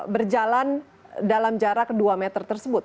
berjalan dalam jarak dua meter tersebut